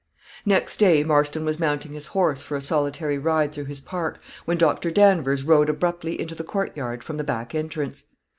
Next day, Marston was mounting his horse for a solitary ride through his park, when Doctor Danvers rode abruptly into the courtyard from the back entrance.